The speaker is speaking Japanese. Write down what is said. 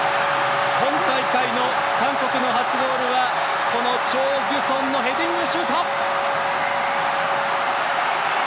今大会の韓国の初ゴールはこのチョ・ギュソンのヘディングシュート！